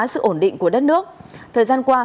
sự ổn định của đất nước thời gian qua